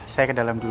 saya ke dalam dulu